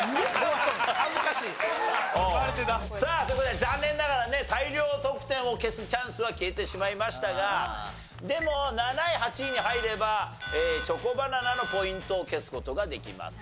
さあという事で残念ながらね大量得点を消すチャンスは消えてしまいましたがでも７位８位に入ればチョコバナナのポイントを消す事ができます。